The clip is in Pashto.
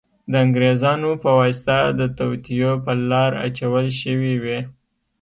د انګریزانو په واسطه د توطیو په لار اچول شوې وې.